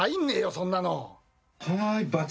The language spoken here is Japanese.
そんなの。